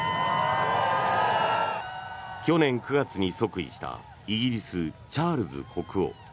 去年９月に即位したイギリス、チャールズ国王。